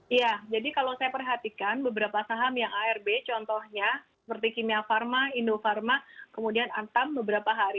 iya jadi kalau saya perhatikan beberapa saham yang arb contohnya seperti kimia pharma indofarma kemudian antam beberapa hari